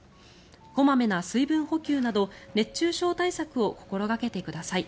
小まめな水分補給など熱中症対策を心掛けてください。